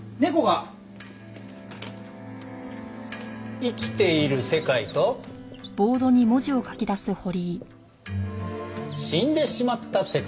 生きている世界と死んでしまった世界。